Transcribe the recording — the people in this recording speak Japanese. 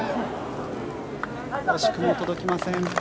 惜しくも届きません。